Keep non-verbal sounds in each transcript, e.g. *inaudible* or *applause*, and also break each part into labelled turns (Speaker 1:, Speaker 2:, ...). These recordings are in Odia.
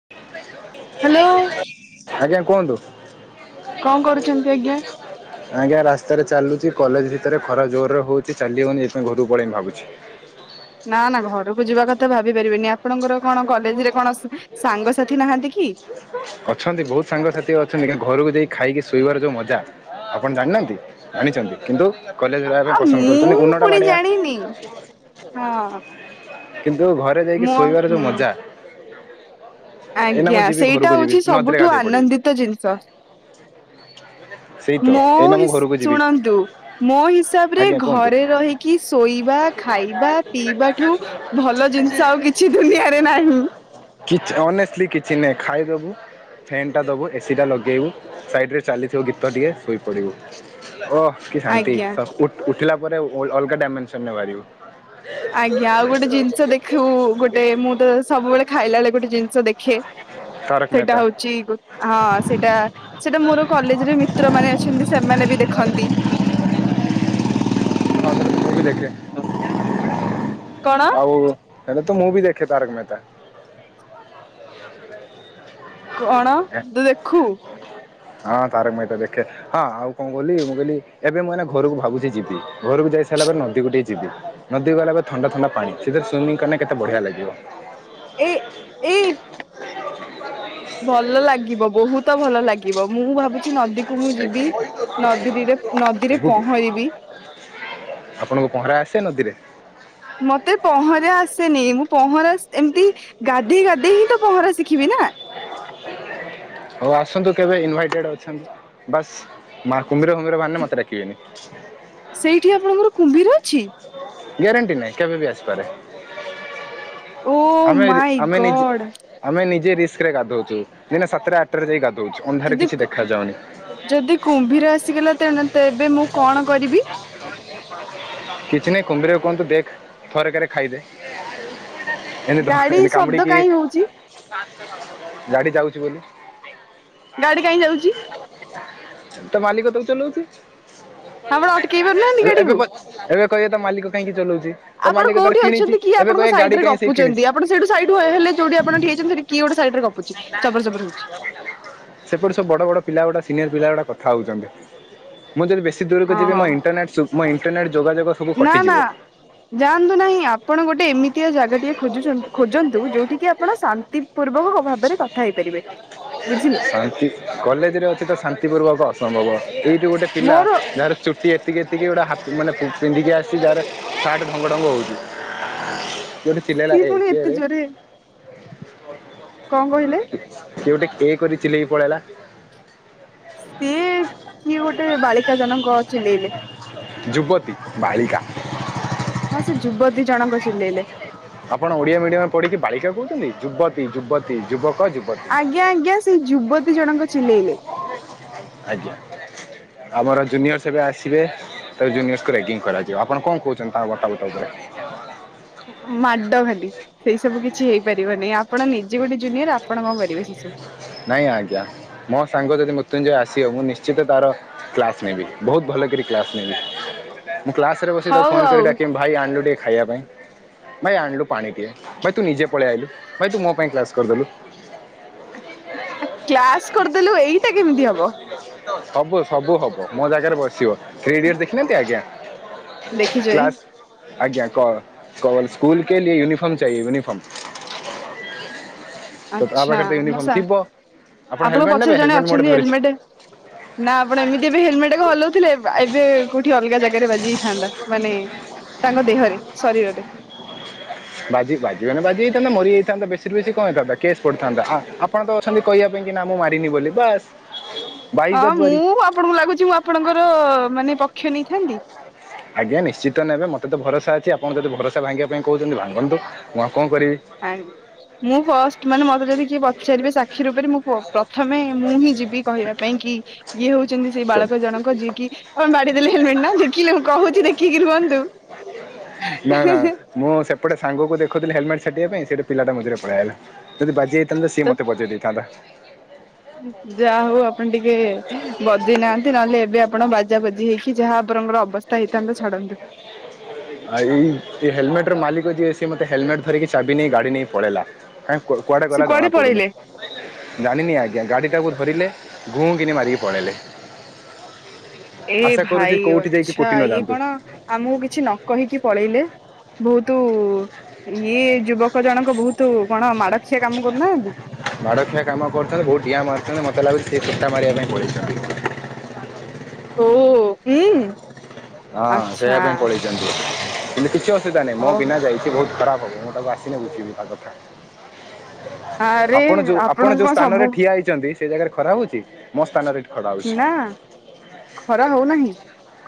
Speaker 1: *inaudible*
Speaker 2: ହାଲୋ।
Speaker 1: ଆଜ୍ଞା କୁହନ୍ତୁ।
Speaker 2: କଣ କରୁଛନ୍ତି ଆଜ୍ଞା?
Speaker 1: ଆଜ୍ଞା ରାସ୍ତାରେ ଚାଲୁଚି କଲେଜ୍ ଭିତରେ ଖରା ଜୋରରେ ହଉଚି ଚାଲି ହଉନି, ଏଇଥିପାଇଁ ଘରୁକୁ ପଳେଇବି ଭାବୁଚି।
Speaker 2: ନା-ନା ଘରକୁ ଯିବା କଥା ଭାବି ପାରିବେନି, ଆପଣଙ୍କର କଣ କଲେଜ୍ ରେ କଣ ଉଂହ୍ ସାଙ୍ଗସାଥି ନାହାନ୍ତି କି?
Speaker 1: ଅଛନ୍ତି ବହୁତ୍ ସାଙ୍ଗସାଥି ଅଛନ୍ତି, ଘରକୁ ଯାଇ ଖାଇକି ଶୋଇବାର ଯୋଉ ମଜା ଆପଣ ଜାଣିନାହାନ୍ତି, ଜାଣିଚନ୍ତି କିନ୍ତୁ କଲେଜ୍ *unintelligible* ପାଇଁ
Speaker 2: ଆ
Speaker 1: ପସନ୍ଦ
Speaker 2: ମୁଁ
Speaker 1: କରୁଚନ୍ତି, ଉନଟା
Speaker 2: ପୁଣି ଜାଣିନି ହଁ
Speaker 1: *unintelligible* କିନ୍ତୁ ଘରେ ଯାଇକି
Speaker 2: ମୁଁ
Speaker 1: ଶୋଇବାର ଯୋଉ
Speaker 2: ହୁଁ
Speaker 1: ମଜା ଏଇନା
Speaker 2: ଆଜ୍ଞା
Speaker 1: ମୁଁ ଯିବି
Speaker 2: ସେଇଟା
Speaker 1: ଘରୁକୁ ଯିବି,
Speaker 2: ହଉଛି
Speaker 1: ନଦୀରେ
Speaker 2: ସବୁଠୁ
Speaker 1: ଗାଧେଇ ପଡିବି।
Speaker 2: ଆନନ୍ଦିତ ଜିନିଷ
Speaker 1: ବା
Speaker 2: ମୋ ହି ଶୁଣନ୍ତୁ ମୋ ହିସାବ ରେ
Speaker 1: ଆଜ୍ଞା କୁହନ୍ତୁ
Speaker 2: ଘରେ ରହି କି ଶୋଇବା ଖାଇବା ପିଇବା ଠୁ ଭଲ ଜିନିଷ ଆଉ କିଛି ଦୁନିଆରେ ନାହିଁ।
Speaker 1: କିଛି ଅନେଷ୍ଟଲି କିଛି ନହିଁ ଖାଇଦବୁ ଫ୍ୟାନ୍ଟା ଦେବୁ ଏସିି ଟା ଲଗେଇବୁ ସାଇଡ଼ରେ ଚାଲିଥିବ ଗୀତ ଟିକେ ଶୋଇପଡ଼ିବୁ କି ଶାନ୍ତି
Speaker 2: ଆଜ୍ଞା
Speaker 1: ଉଠିଲା ପରେ ଅଲଗା ଡାଇମେନ୍ସନ୍ରେ ବାହାରିବୁ।
Speaker 2: ଆଜ୍ଞା ଆଉ ଗୋଟେ ଜିନିଷ ଦେଖିବୁ ଗୋଟେ ମୁଁ ତ ସବୁବେଳେ। ଖାଇଲା ବେଳେ ଗୋଟେ ଜିନିଷ ଦେଖେ
Speaker 1: ତାରକ
Speaker 2: ସେଇଟା
Speaker 1: ମେହତା। ହଁ
Speaker 2: ହଉଛି। ହଁ ସେଇଟା। ସେଇଟା ମୋର କଲେଜରେ ମିତ୍ର ମାନେ ଅଛନ୍ତି ସେମାନେ ବି ଦେଖନ୍ତି।
Speaker 1: ହଉ ଦେଖେ।
Speaker 2: କଣ।
Speaker 1: ଆଉ ହେଟା ତ ମୁଁ ବି ଦେଖେ ତାରକମେତା।
Speaker 2: କଣ ତୁ ଦେଖୁ।
Speaker 1: ହଁ ତାରକମେହେତା ଦେଖେ। ହଁ ଆଉ କଣ କହିଲି ମୁଁ କହିଲି ଏବେ ମୁଁ ଏ ଘରକୁ ଭାବୁଛି ଯିବି ଘରକୁ ଯାଇ। ଗାଧେଇ ସରିଲା ପରେ ନଦିକୁ ଟିକେ ଯିଵି। ନଦୀ ଗଲା ପରେ ଥଣ୍ଡା ଥଣ୍ଡା ପାଣି ସେଥିରେ ସୁଇିମିଂଲେ କେତେ ବଢିଆ ଲାଗିବ।
Speaker 2: ଏ ଏ। ଭଲ ଲାଗିବ ବହୁତ ଭଲ ଲାଗିବ ମୁଁ ଭାବୁଛି ନଦୀକୁ। ନଦୀକୁ ମୁଁ ଯିବି ନଦୀରେ ନଦୀରେ
Speaker 1: ଯିବୁ କି
Speaker 2: ପହଁରିବି।
Speaker 1: ଆପଣଙ୍କୁ ପହଁରା ଆସେ ନଦୀରେ?।
Speaker 2: ମତେ ପହଁରା ଆସେନି ମୁଁ ପହଁରା ଏମିତି। ଗାଧୋଇ ଗାଧେଇ ହିଁ ତ ପହଁରା ଶିଖିବି ନା।
Speaker 1: ହଉ ଆସନ୍ତୁ କେବେ ଇନଭାଇଟେଡ ଅଛନ୍ତି ବାସ୍। ମା କୁମ୍ଭୀର କୁମ୍ଭୀର ବାହାରିଲେ ମତେଡାକିବେ।
Speaker 2: ସେଇଠି ଆପଣଙ୍କର କୁମ୍ଭୀର ଅଛି।
Speaker 1: ଗ୍ୟାରେଣ୍ଟି ନାହିଁ କେବେ ବି ଆସିପାରେ।
Speaker 2: ଓ
Speaker 1: ଆମେ
Speaker 2: ମାଇ
Speaker 1: ଆମେ ନିଜେ
Speaker 2: ଗଡ଼୍।
Speaker 1: ଆମେ ନିଜେ ରିସ୍କ ରେ ଗାଧଉଛୁ ଦିନ ସତରେ ଆସ। ଯ ଗ ହଉଛି *inaudible*
Speaker 2: ଯଦି ଯଦି କୁମ୍ଭୀର ଆସିଗଲା ତ ତେବେ ମୁଁ କଣ କରିବି?।
Speaker 1: କିଛି ନାଇଁ କୁମ୍ଭରୀ କୁହନ୍ତୁ ଦେଖ ଥରେକରେ ଖାଇଦେ। ଏମିତି ତ
Speaker 2: ଗାଡି
Speaker 1: ଏମିତି
Speaker 2: ଶବ୍ଦ
Speaker 1: କାମୁଡିିକି।
Speaker 2: କାହିଁ ହଉଛି
Speaker 1: ଗାଡି ଯାଉଛି ବୋଲି।
Speaker 2: ଗାଡି କାହିଁ ଯାଉଛି
Speaker 1: ତ ମାଲିକ ତକୁ ଚଲାଉଛି
Speaker 2: ଆପଣ ଅଟକେଇ ପାରୁନାହାନ୍ତି
Speaker 1: ଏବେ
Speaker 2: ଗାଡିକୁ
Speaker 1: ବସ। *unintelligible* ଏବେ କହିବା ତା ମାଲିକ କାହିଁକି ଚଲାଉଛି ତ
Speaker 2: ଆପଣ
Speaker 1: ମାଲିକ ତାର
Speaker 2: କୋଉଠି
Speaker 1: କିଣିଛି
Speaker 2: ଅଛନ୍ତି କିଏ
Speaker 1: ଏବେ
Speaker 2: ଆପଣଙ୍କ
Speaker 1: କହିବା ଗାଡି
Speaker 2: ସାଇଡ ରେ
Speaker 1: କାହିଁ। ସେ କିଣିଛି
Speaker 2: ଗପୁଛନ୍ତି ଆପଣ ସେଇଠୁ ସାଇଡହେଲେ ଯୋଉଠି ଆପଣ ଠିଆହେଇଛନ୍ତି ସେଠି କିଏ ଗୋଟେ ସରେ ଗପୁଛି ଚର ଚପର ହଉଛି।
Speaker 1: ସେପଟେ ସବୁ ବଡ ବଡ ପିଲା ଗୁଡା ସିନିୟର ପିଲା ଗୁଡା କଥା ହଉଛନ୍ତି। ମୁଁ ଯଦି ବେଶୀ ଦୂରକୁ ଯିବି
Speaker 2: ଓହୋ
Speaker 1: ମୋ ଇଣ୍ଟରନେଟ ମୋ ଇଣ୍ଟରନେଟ୍ ଯୋଗାଯୋଗ। ସବୁ
Speaker 2: ନା ନା
Speaker 1: କଟିଯିବ
Speaker 2: ଯାଆନ୍ତୁ ନାହିଁ ଆପଣ ଗୋଟେ ଏମିତିଆ ଜାଗା ଟିଏ। ଖୋଜନ୍ତୁ ଯୋଉଠି କି ଆପଣ ଶାନ୍ତି ପୂର୍ବକ ଭାବରେ କଥା ହେଇପାରିବେ ବୁଝିଲେ।
Speaker 1: କଲେଜ ରେ ଅଛି ତ ଶାନ୍ତି ପୂର୍ବକ ଅସମ୍ଭବ ଏଇଠି ଯଉ ଗୋଟେ ପିଲା
Speaker 2: ମୋର
Speaker 1: ଯାହାର ଚୁଟି। ଏତିକି ଏତିକି ଗୋଟା ହାଫ୍ ମାନେ ପିନ୍ଧିକି ଆସିଛିହାର ସାର୍ଟ ଢଙ୍ଗ ଢଙ୍ଗ ହେଉଛି।
Speaker 2: ସିଏ ପୁଣି ଏତେ
Speaker 1: କିଏରେ
Speaker 2: ଜୋରେ। କଣ କହିଲେ
Speaker 1: କିଏ ଗୋଟେ କେ କରି ଚିଲେଇକି ପଳେଇଲା।
Speaker 2: ସିଏ କିଏ ଗୋଟେ ବାଳିକା ଜନଙ୍କ ଚିଲେଇଲେ।
Speaker 1: ଯୁବତୀ, ବାଳିକା।
Speaker 2: ହଁ ସେ ଯୁବତୀ ଜଣକ ଚେଲେଇଲେ।
Speaker 1: ଆପଣ ଓଡିଆ ମିଡିୟମ ରେ ପଢିକି ବାଳିକା କହୁଛନ୍ତି ଯୁବତୀ, ଯୁବତୀ, ଯୁବକ, ଯୁବ।
Speaker 2: ଆଜ୍ଞା ଆଜ୍ଞା ସେଇ ଯୁବତୀ ଜଣଙ୍କ ଚିଲେଇଲେ।
Speaker 1: ଆଜ୍ଞା ଆମର ଜୁନିୟର ସେବେ ଆସିବେ। ତ ଜୁନିୟର ଶ୍ କୁ ରାଗିଙ୍ଗ କରାଯିବ ଆପଣ କଣ କହୁଛନ୍ତି ତା ବଟା ବଟ ଉପରେ?
Speaker 2: ମାଡ ଖାଲି ସେଇ ସବୁ କିଛି ହେଇପାରିବନାହିଁ ଆପଣ ନିଜେ ଗୋଟେ ଜୁନିୟର ଆପଣ କଣ କରିବେ ଶିଶୁ
Speaker 1: ନାଇଁ ଆଜ୍ଞା ମୋ ସାଙ୍ଗ ଯଦି ମୃତ୍ୟୁଞ୍ଜୟ ଆସିବ ମୁଁ ନିଶ୍ଚିତ ତାର କ୍ଲାସ ନେବି ବହୁତ ଭଲ କରି କ୍ଲାସ୍ ନେବି। ମୁଁ କ୍ଲାସ ରେ ବସିି ତାକୁ
Speaker 2: ହଉ
Speaker 1: ଫୋନ
Speaker 2: ଆଉ
Speaker 1: କରି ଡାକି ବି ଭାଇ ଆଣିଲୁ ଟିକେ ଖାଇବା ପାଇଁ। ଭାଇ ଆଣିଲୁ ପାଣି ଟିକେ ଭାଇ ତୁ ନିଜେ ପଳେଇ ଆଇଲୁ ଭାଇ ତୁ ମୋ ପାଇଁ କ୍ଲାସ୍ କରିଦେଲୁ।
Speaker 2: କ୍ଲାସ କରିଦେଲୁ ଏଇଟା କେମିତି ହବ?
Speaker 1: ହବ ସବୁ ସବୁ ହବ ମୋ ଜାଗାରେ ବସିବ। ରେଡି ଦେଖିନାହାନ୍ତି ଆଜ୍ଞା
Speaker 2: ଦେଖିଛଇ
Speaker 1: କ୍ଲାସ୍ ଆଜ୍ଞା କହ କଲ୍ ସ୍କୁଲ କେଲିଏ ୟୁନିଫମ ଚାଏ ୟୁନିଫର୍ମ। ତ ତା
Speaker 2: ଆଚ୍ଛା
Speaker 1: ପାଖରେ ତ ୟୁନିଫର୍ମ
Speaker 2: ମଉସା
Speaker 1: ଥିବ ଆପଣ
Speaker 2: ଆପଣଙ୍କ
Speaker 1: ହେଲମେଟ ନେବେ
Speaker 2: ପଛରେ ଜଣେ
Speaker 1: ହେଲମେଟ ମୁଁ ଗୋଟେ
Speaker 2: ଅଛନ୍ତି
Speaker 1: ଧରିଛି
Speaker 2: ହେଲମେଟ ନା ଆପଣ ଏମିତି ଏବେ ହେଲମେଟ ହଲଉଥିଲେ ଏବେ କୋଉଠି ଅଲଗା ଜାଗାରେ ବାଜି ଜାଇଥାନ୍ତା ମାନେ ତାଙ୍କ ଦେହରେ ଶରୀରରେ।
Speaker 1: ବାଜି ବାଜି ମାନେ ବାଜି ହେଇଥାନ୍ତା ମରିଯାଇଥାନ୍ତା ବେଶୀରେ ବେଶୀ କଣ ହେଇଥାନ୍ତା କେସ୍ ପଡିଥାନ୍ତା ହଁ ଆପଣ ତ ଅଛନ୍ତି କହିବା ପାଇଁ। କି ନା ମୁଁ ମାରିନି ବୋଲି ବାସ।
Speaker 2: ହଁ ମୁଁ ଆପଣଙ୍କୁ ଲାଗୁଛି ମୁଁ ଆପଣଙ୍କର ମାନେ ପକ୍ଷ ନେଇଥାନ୍ତି?
Speaker 1: ଆଜ୍ଞା ନିଶ୍ଚିତ ନେବେ ମତେ ତ ଭରସା ଅଛି ଆପଣ ଯଦି ଭରସା ଭାଙ୍ଗିବା ପାଇଁ କହୁ ଭାଗନ୍ତୁ ମୁଁ ଆଉ କଣ କରିବି।
Speaker 2: ଆ ମୁଁ ଫଷ୍ଟ ମାନେ ମତେ ଯଦି କିଏ ପଚାରିବେ ସାକ୍ଷୀ ରୂପରେ। ମୁଁପୁଅ ପ୍ରଥମେ ମୁଁ ହିଁ ଯିବି କହିବା ପାଇଁ କି ଇଏ ହଉଛନ୍ତି ସେଇ ବାଳକ ଜଣକ ଯିଏକି ଆପଣ ବାଡିଇଦେଲେ ହେଲମେଟ ନା? ଦେଖିଲେ ମୁଁ କହୁଛି ଦେଖିକି ରୁହନ୍ତୁ।
Speaker 1: ନା ନା ମୁଁ ସେପଟେ ସାଙ୍ଗକୁ ଦେଖୁଥିଲି ହେଲମେଟ ଛାଟିବା ପାଇଁ। ସେ ବି ପିଲାଟା ମିଝିରେ ପଳେଇ ଆଇଲା। ଯଦି ବାଜି ତାହାଲେ ସିଏ
Speaker 2: ତ
Speaker 1: ମତେ ବଜେଇ ଦେଇଥାନ୍ତା।
Speaker 2: ଯାହା ହଉ ଆପଣ ଟିକେ ବଜେଇ ନାହାନ୍ତି। ନହେଲେ ଏବେ ଆପଣ ବାଜା ବାଜି ହେଇ କି ଯାହା ଆପରଙ୍କର ଅବସ୍ଥା ହେଇଥାନ୍ତା। ଛାଡ଼ନ୍ତୁ।
Speaker 1: ଆ ଏଇ ହେଲମେଟ ର ମାଲିକ ଯିଏ ସିଏ ମତେ ହେଲମେଟ ଧରିକି ଚାବି ନେଇ ଗାଡି ନେଇ ପଳେଇଲା। କାଇଁ କୁଆ କୁଆଡେ
Speaker 2: ସେ
Speaker 1: ଗଲା ଜଣା ପଡ଼ୁନି।
Speaker 2: ପଳେଇଲେ
Speaker 1: ଜାଣିନି ଆଜ୍ଞା ଗାଡି ଟାକୁ ଧରିଲେ। ଘୁଁ କିିନି ମାରିକି ପଳେଇଲେ।
Speaker 2: ଏ
Speaker 1: ଆଶା କରୁଛି
Speaker 2: ଭାଇ
Speaker 1: କୋଉଠି ଯାଇକି
Speaker 2: ଅଚ୍ଛା
Speaker 1: କୁଟି ନ
Speaker 2: ଇଏ
Speaker 1: ଯାଆନ୍ତୁ
Speaker 2: କଣ? ଆମକୁ କିଛି ନ କହିକି ପଳେଇଲେ? ବହୁତ ଇଏ ଯୁବକ ଜଣକ ବହୁତ କଣ ମାଡଖିଆ କାମ କରୁନାହାନ୍ତି?
Speaker 1: ମାଡ଼ଖିଆ କାମ କରୁଛନ୍ତି। ବହୁତ ଡିଆ ମାରୁଛନ୍ତି। ମତେ ଲାଗୁଛି ସିଏ ଟେକା ମାରିବା ପାଇଁ ପଳେଇଛନ୍ତି।
Speaker 2: ଓ ଉୁଁ।
Speaker 1: ହଁ ସେଇଆ ପାଇଁ କଳେଇଛନ୍ତି କିନ୍ତୁ କିଛି ଅସୁବିଧା ନାହିଁ ମୋ
Speaker 2: ଓ
Speaker 1: ବିନା ଯାଇଛି ବହୁତ ଖରାପ ହବ। ତାକୁ ଆସିିଲେ ବୁଝିଲେ ତା କଥା।
Speaker 2: ଆରେ
Speaker 1: ଆପଣ ଯୋଉ ଆପଣ
Speaker 2: ଆପଣଙ୍କୁ
Speaker 1: ଯୋଉ
Speaker 2: କଣ ସବୁ
Speaker 1: ସ୍ଥାନରେ ଠିଆ ହେଇଛନ୍ତି। ସେ ଜାଗାରେ ଖରା ହଉଛି? ମୋ ସ୍ଥାନରେ ଖରା ହଉଛି।
Speaker 2: ନା ଖରା ହଉନାହିଁ।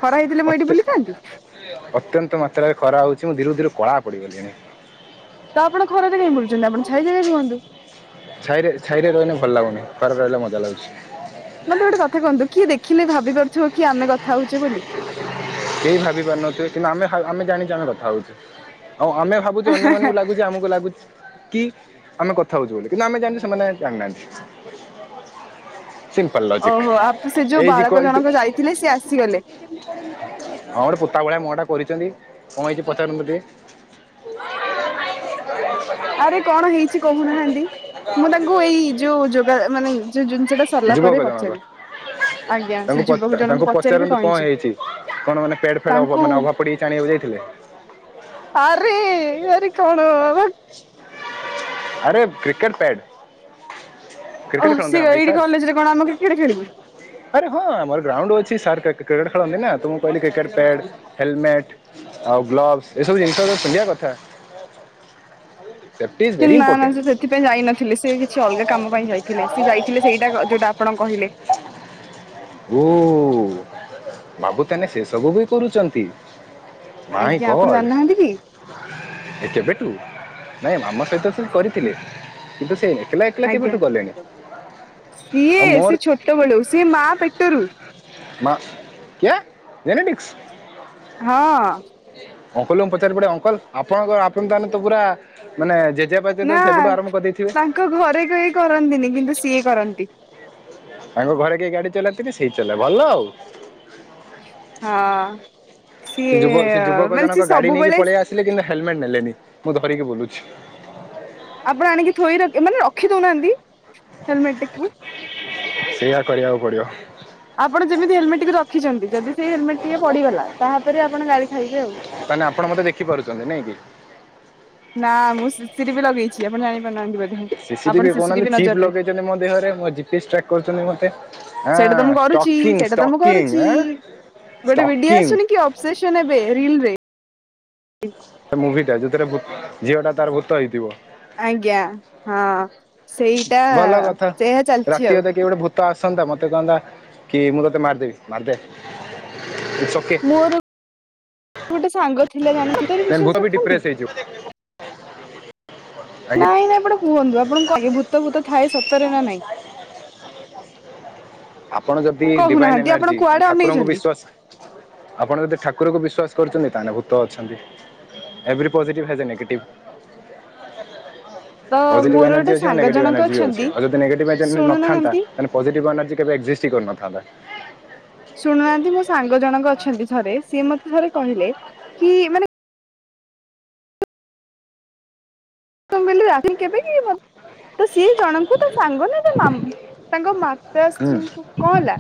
Speaker 2: ଖରା ହେଇଥିଲେ ମୁଁ ଏଇଠି ବୁଲିଥାନ୍ତି
Speaker 1: ତ୍ ଅତ୍ୟନ୍ତ ମାତ୍ରାରେ ଖରା ହଉଛି ମୁଁ ଧୀରେ ଧୀରେ କଳା ପଡ଼ିଗଲିଣି।
Speaker 2: ତ ଆପଣ ଖରା ରେ କାହିଁ ବୁଲୁଛନ୍ତି? ଆପଣ ଛାଇ ଜେଗା ରେ ରୁହନ୍ତୁ।
Speaker 1: ଛାଇ ଛାଇ ରେ ରହିଲେ ଭଲ ଲାଗୁନି। ଖରାରେ ରହିଲେ ମଜା ଲାଗୁଛି।
Speaker 2: ମତେ ଗୋଟେ କଥା କୁହନ୍ତୁ। କିଏ ଦେଖିଲେ ଭାବି ପାରୁଥିବ କି ଆମେ କଥା ହଉଛେ ବୋଲି?
Speaker 1: କେହି ଭାବି ପାରୁନଥିବେ କିନ୍ତୁ ଆମେ ଆମେ ଜାଣିଛେ ଆମେ କଥା ହଉଛୁ। ଆଉ ଆମେ ଭା ବୁଛି ଅନ୍ୟମାନଙ୍କୁ ଲାଗୁଛି ଆମକୁ ଲାଗୁଛି କି ଆମେ କଥା ହଉଛୁ ବୋଲି। କିନ୍ତୁ ଆମେ ଜଣିଛୁ, ସେମାନେ ଜାଣିନାହାନ୍ତି। ସିମ୍ପଲ ଲଜିକ
Speaker 2: ଓହୋ ଆପ ସେ ଯୋଉ
Speaker 1: ଏ ଇଜ୍
Speaker 2: ବାଳକ
Speaker 1: ଇକ୍ୟାଲ୍ ଟୁ
Speaker 2: ଜଣକ ଯାଇଥିଲେ ସେ ଆସିଗଲେ
Speaker 1: ହଁ ଗୋଟେ ପୋତା ଭଳିଆ ମୁହ ଟା କରିଛନ୍ତି। କଣ ହେଇଛି ପଚାରନ୍ତୁ ଟିକେ?
Speaker 2: ଆରେ କଣ ହେଇଛି କହୁନାହା ନ୍ତି। ମୁଁ ତାଙ୍କୁ ଏଇ ଯୋଉ ଯୋଗା ମାନେ ଯୋଉ ଜିନିଷ ଟା ସରିଲା
Speaker 1: ଯୁବକ
Speaker 2: ପରେ
Speaker 1: ଜଣକ
Speaker 2: ପଚାରିବି। ଆଜ୍ଞା ସେ
Speaker 1: ତାଙ୍କୁ
Speaker 2: ଯୁବକ
Speaker 1: ପଚା
Speaker 2: ଜଣଙ୍କୁ
Speaker 1: ତାଙ୍କୁ
Speaker 2: ପଚାରିବି
Speaker 1: ପଚାରନ୍ତୁ କଣ ହେଇଛି? କଣ ମାନେ ପେଡ୍ ପେଡ୍
Speaker 2: ତାଙ୍କୁ
Speaker 1: ମାନେ ଅଭାବ ପଡିଯାଇଛି। ଆଣିବାକୁ ଯାଇଥିଲେ?
Speaker 2: ଆରେ ଆରେ କଣ ଭାକ?
Speaker 1: ଆରେ କ୍ରିକେଟ ପ୍ୟାଡ।
Speaker 2: ଓହ ସେ ଏଇଠି
Speaker 1: ସାର୍
Speaker 2: କଲେଜରେ କଣ ଆମେ କ୍ରିକେଟ ଖେଳିବୁ?
Speaker 1: ଆରେ ହଁ ଆମର ଗ୍ରାଉଣ୍ଡ ଅଛି ସାର୍ କ୍ରିକେଟ କ୍ରିକେଟ ଖେଳନ୍ତି ନା। ତ ମୁଁ କହିଲି କ୍ରିକେଟ ପ୍ୟାଡ ହେଲମେଟ ଆଉ ଗ୍ଲୋବସ ଏସବୁ ଜିନିଷ ରା ପିନ୍ଧିବା କଥା। Safety is very important.
Speaker 2: ଶେ ପାଇଁ ଯାଇନଥିଲେ। ସେ କିଛି ଅଲଗା କାମ ପାଇଁ ଯାଇଥିଲେ। ସେ ଯାଇଥିଲେ ସେଇଟା କ ଯୋଉଟା ଆପଣ କହିଲେ।
Speaker 1: ଓ ବାବୁ ତାନେ ସେସବୁ ବି କରୁଛନ୍ତି? ମାଇଁ
Speaker 2: ଆଜ୍ଞା ଆପଣ
Speaker 1: ଗଡ୍।
Speaker 2: ଜାଣିନାହାନ୍ତି କି
Speaker 1: ଏ କେବେଠୁ? ନାଇଁ ମାମା ସହିତ ସେ କରିଥିଲେ। କିନ୍ତୁ ସେ ଏକଲା ଏକଲା
Speaker 2: ଆଜ୍ଞା।
Speaker 1: କେବେଠୁ ଗଲେଣି?
Speaker 2: ସିଏ ସେ ଛୋଟ ବେଳୁ, ସିଏ ମା ପେଟରୁ।
Speaker 1: ମା କ୍ୟା ଜେନେଟିକ୍ସ।
Speaker 2: ହଁ।
Speaker 1: ଅଙ୍କଲ ଙ୍କୁ ପଚାରିବାକୁ ପଡିବ। ଅଙ୍କଲ ଆପଣଙ୍କକ ଆପଣ ତାହେଲେ ତ ପୁରା ମାନେ ଜେଜେବାପା
Speaker 2: ନା
Speaker 1: ଯେତେବେଳେ ସେବେଠୁ ଆରମ୍ଭ କରିଦେଇଥିବେ
Speaker 2: ତାଙ୍କ ଘରେ କେହି କରନ୍ତିନି କିନ୍ତୁ ସିଏ କରନ୍ତି।
Speaker 1: ତାଙ୍କ ଘରେ କେହି ଗାଡି ଚଲାନ୍ତିନି ସେ ଚଲାଏ ଭଲ ଆଉ।
Speaker 2: ହଁ ସିଏ ମାନେ ସିଏ ସବୁବେଳେ
Speaker 1: ଥିଲେ କିନ୍ତୁ ହେଲମେଟ୍ ନେଲେନି ମୁଁ ଧରିକି ବୁଲୁଛି।
Speaker 2: ଆପଣ ଆଣିକି ଥୋଇ ର ମାନେ ରଖି ଦଉନାହାନ୍ତି ହେଲମେଟ ଟିକୁ।
Speaker 1: ସେଇଆ କରିବାକୁ ପଡିବ।
Speaker 2: ଆପଣ ଯେମିତି ହେଲମେଟ ଟିକୁ ରଖିଛନ୍ତି ଯଦି ସେଇ ହେଲମେଟ ଟିକେ ପଡିଗଲା ତାପରେ ଆପଣ ଗାଡି ଖାଇବେ ଆଉ।
Speaker 1: ତାହାନେ ଆପଣ ମତେ ଦେଖି ପାରୁଛନ୍ତି ନଁ କି?
Speaker 2: ନା ମୁଁ ସି ସି ଟିଭି ଲଗେଇଛି ଆପଣ ଜାଣିପାରୁନାହାନ୍ତି ବୋ
Speaker 1: ସିସି ଟିଭି କହୁନାହାନ୍ତି ଚିପ୍ ଲଗେଇଛନ୍ତି ମୋ ଦେହରେ ମୋ ଜପି୍ଏସ ଟ୍ରାକ କରୁଛନ୍ତି ମତେ।
Speaker 2: ସେଇଟା ତ ମୁଁ କରୁଛି ସେଇଟା ତ ମୁଁ କରୁଛି ଗୋଟେ ଭିଡିଓ
Speaker 1: ଷ୍ଟକିଂ
Speaker 2: ଆସୁନି କି ଅ ସେସନ ଏବେ ରିଲ ରେ। ହ
Speaker 1: ସେ ମୁଭିଟା ଯେଉଥିରେ ଝିଅ ଟା ତାର ଭୂତ ହେଇଥିବ।
Speaker 2: ଆଜ୍ଞା ହଁ ସେଇଟା ସେଆ ଚାଲିଛି ଆଉ।
Speaker 1: ତ ଆସନ ଟା ମତେ କହିଲା କି ମୁଁ ତତେ ମାରିଦେବି ମାରିଦେ କିସ
Speaker 2: ମୋର ଗୋଟେ ସାଙ୍ଗ ଥିଲା ଜଣରେ
Speaker 1: ଦେନ୍ ଭୂତ
Speaker 2: ବିଶ୍ୱାସ
Speaker 1: ବି
Speaker 2: ରଖନ୍ତି।
Speaker 1: *unintelligible* ଆଜ୍ଞା
Speaker 2: ନାଇଁ ନା ଆପଣ କୁହନ୍ତୁ ଆପଣ ଙ୍କୁ କଣ ଲାଗେ ଭୂତ ଫୁତ ଥାଏ ସତରେ ନା ନାଇଁ।
Speaker 1: ଆପଣ ଯଦି ଡିଭାଇନ୍
Speaker 2: କହୁନାହାନ୍ତି ଆପଣ
Speaker 1: ଏନର୍ଜି ମାନେ
Speaker 2: କୁଆଡେ
Speaker 1: ଠାକୁରଙ୍କୁ
Speaker 2: ଅନେଇଛନ୍ତି
Speaker 1: ବିଶ୍ଵାସ ଆପଣ ଯଦି ଠାକୁରକୁ ବିଶ୍ଵାସ କରୁଛନ୍ତି ତାେଲେ ଭୂତ ଅଛନ୍ତି। Every positive has a negative.
Speaker 2: ତ
Speaker 1: ପଜିଟିଭ
Speaker 2: ମୋର
Speaker 1: ଏନର୍ଜି
Speaker 2: ଗୋଟେ
Speaker 1: ଅଛି ମାନେ
Speaker 2: ସାଙ୍ଗ
Speaker 1: ନେଗେଟିଭ୍
Speaker 2: ଜଣକ
Speaker 1: ଏନର୍ଜି ବି ଅଛି
Speaker 2: ଅଛନ୍ତି
Speaker 1: ଆଉ ଯଦ ନେଗେଟିଭ ଏଜନି ନଥାନ୍ତା
Speaker 2: ଶୁଣୁନାହାନ୍ତି।
Speaker 1: ତାନେ ପଜିଟିଭ ଏନର୍ଜି କେବେ ଏକ୍ଜିଷ୍ଟ୍ କରିନ ଥାନ୍ତା।
Speaker 2: ଶୁଣୁନାହାନ୍ତି ମୋ ସାଙ୍ଗ ଜଣକ ଅଛନ୍ତି ଥରେ ସିଏ ମତେ ଥରେ କହିଲେ କି ମାନେ *inaudible* କେବେ କି ତ ସିଏ ଜଣଙ୍କୁ ତା ସାଙ୍ଗ ନା ତା ମାମ ତାଙ୍କ ମା। ତା
Speaker 1: ହୁଁ
Speaker 2: ସ୍ତ୍ରୀଙ୍କୁ କଣ ହେଲା?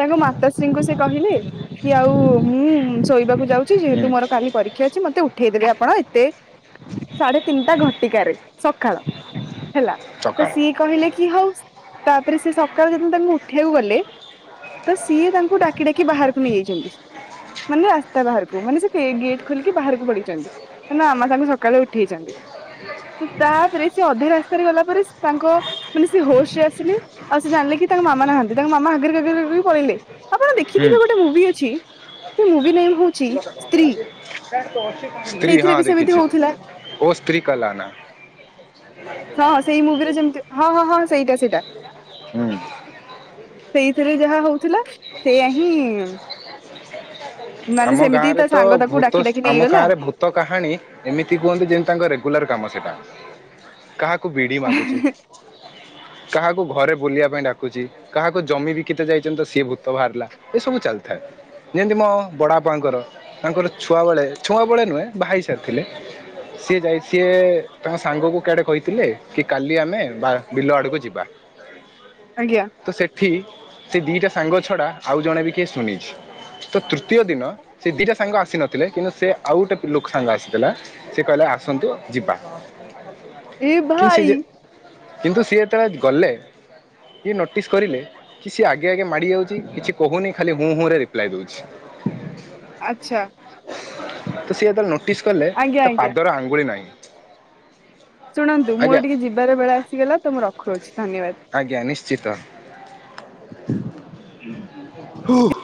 Speaker 2: ତାଙ୍କ ମାତାଶ୍ରୀଙ୍କୁ ସେ କହିଲେ କି ଆଉ ମୁଁ ଶୋଇବାକୁ ଯାଉଛି
Speaker 1: ହୁଁ
Speaker 2: ଯେହେତୁ ମୋର କାଲି ପରୀ କ୍ଷା ଅଛି ମତେ ଉଠେଇଦେବେ ଆପଣ ଏତେ ସାଢେ ତିନିଟା ଘଣ୍ଟିକାରେ ସଖାଳ। ହେଲା ତ
Speaker 1: ସକାଳ
Speaker 2: ସିଏ କହିଲେ କି ହଉ ତାପରେ ସେ ସକାଳୁ ଯେତେବେଳେ ତାଙ୍କୁ ଉଠେଇବାକୁ ଗଲେ। ତ ସିଏ ତାଙ୍କୁ ଡାକି ଡାକି ବାହାରକୁ ନେଇଯାଇଚନ୍ତି ମାନେ ରାସ୍ତା ବାହାରକୁ। କୁହନି ସେ ଗେଟ୍ ଖୋଲିକି ବାହାରକୁ ପଳେଇଚନ୍ତି ତା ମାମା ତାଙ୍କୁ ସକାଳୁ ଉଠେଇଛନ୍ତି। ତାପରେ ସେ ଅଧା ରାସ୍ତାରେ ଗଲା ପରେ ତାଙ୍କ ମାନେ ସେ ହୋସରେ ଆସିଲେ ଆଉ ସେ ଜାଣିଲେ କି ତାଙ୍କ ମାମା ନାହାନ୍ତି ତାଙ୍କ ମାମା ଆଗରେ *unintelligible* ପଳେଇଲେ। ଆପଣ
Speaker 1: ହୁଁ
Speaker 2: ଦେଖିଥିବେ ଗୋଟେ ମୁଭି ଅଛି। ସେ ମୁଭି ନେମ୍ ହଉଛି ସ୍ତ୍ରୀ
Speaker 1: ସ୍ତ୍ରୀ
Speaker 2: ସେଇଥିରେ
Speaker 1: ହଁ
Speaker 2: ବି ସେମିତି
Speaker 1: ଦେଖିଛି।
Speaker 2: ହଉଥିଲା।
Speaker 1: ଓ ସ୍ତ୍ରୀ କାଲ୍ ଆନା।
Speaker 2: ହଁ ସେଇ ମୁଭିରେ ଯେମିତି ହଁ ହଁ ହଁ ସେଇଟା ସେଇଟା
Speaker 1: ହୁଁ।
Speaker 2: ସେଇଥିରେ ଯାହା ହଉଥିଲା ସେଇଆ ହିଁ ମାନେ
Speaker 1: ଆମ
Speaker 2: ସେମିତି
Speaker 1: ଗାଁରେ
Speaker 2: ତା ସାଙ୍ଗ ତାକୁ
Speaker 1: ଭୂତ
Speaker 2: ଡାକି ଡାକି
Speaker 1: ଆମ
Speaker 2: ନେଇଗଲା।
Speaker 1: ଗାଁରେ ଭୂତ ତ କାହାଣୀ ଏମିତି କୁହନ୍ତି ଯେମିତି ତାଙ୍କ ରେଗୁଲାର କାମ ସେଟା କାହା କୁ ବିଡି ମାଗୁଚି। କାହାକୁ ଘରେ ବୁଲିବା ପାଇଁ ଡାକୁଚି କାହାକୁ ଜମି ବିକିତେ ଯାଇଛନ୍ତି ତ ସିଏ ଭୂତ ବାହାରିଲା। ଏ ସବୁ ଚାଲିଥାଏ। ଯେମିତି ମୋ ବଡ଼ଆପାଙ୍କର ତାଙ୍କର ଛୁଆବେଳେ ଛୁଆ ବଳେ ନୁହେଁ ବା ହେଇ ସାରିଥିଲେ। ସିଏ ଯାଇ ସିଏ ତାଙ୍କ ସାଙ୍ଗକୁ କିଆଡେ କହିଥିଲେ କି କାଲି ଆମେ ବା ବିଲ ଆଡକୁ ଯିବା।
Speaker 2: ଆଜ୍ଞା।
Speaker 1: ତ ସେଠି ସେ ଦୁଇଟା ସାଙ୍ଗ ଛଡ଼ା ଆଉ ଜଣେ ବି କିଏ ଶୁଣିଛି। ତ ତୃତୀୟ ଦିନ ସେ ଦିଇଟା ସାଙ୍ଗ ଆସିନଥିଲେ କିନ୍ତୁ ସେ ଆଉ ଗୋଟେ ଲୋକ ସାଙ୍ଗ ଆସିଥିଲା ସେ କହିଲା ଆସନ୍ତୁ ଯିବା
Speaker 2: ଏ
Speaker 1: କିନ୍ତୁ ସେ
Speaker 2: ଭାଇ
Speaker 1: ଯେ କିନ୍ତୁ ସିଏ ଏତେବେଳେ ଗଲେ ସିଏ ନୋଟିସ୍ କରିଲେ। କି ସିଏ ଆଗେ ଆଗେ ମାଡି ଯାଉଛି କିଛି କହୁନି ଖାଲି ହୁଁ ହୁଁ ରେ ରିପ୍ଲାଏ ଦଉଛି।
Speaker 2: ଆଛା।
Speaker 1: ତ ସିଏ ଏତେବେଳେ ନୋଟିସ କଲେ
Speaker 2: ଆଜ୍ଞା
Speaker 1: ତା
Speaker 2: ଆଜ୍ଞା।
Speaker 1: ପାଦର ଆଙ୍ଗୁଳି ନାହିଁ।
Speaker 2: ଶୁଣନ୍ତୁ
Speaker 1: ଆଜ୍ଞା
Speaker 2: ମୋର ଟିକେ ଯିବାର ବେଳ ଆସିଗଲା ତ ମୁଁ ରଖୁଛି ଧନ୍ୟବାଦ।
Speaker 1: ଆଜ୍ଞା ନିଶ୍ଚିତ। ହ ହୁ